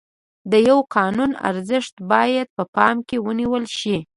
د یوه قانون ارزښت باید په پام کې ونیول شي.